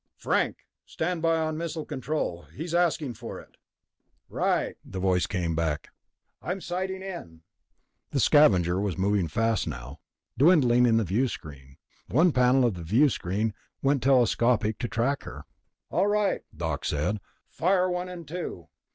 "Frank? Stand by on missile control. He's asking for it." "Right," the voice came back. "I'm sighting in." The Scavenger was moving fast now, dwindling in the viewscreen. One panel of the screen went telescopic to track her. "All right," Doc said. "Fire one and two."